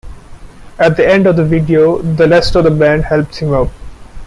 At the end of the video, the rest of the band helps him up.